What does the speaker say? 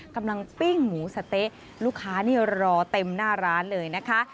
ปิ้งหมูสะเต๊ะลูกค้านี่รอเต็มหน้าร้านเลยนะคะ